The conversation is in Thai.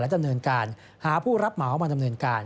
ดำเนินการหาผู้รับเหมามาดำเนินการ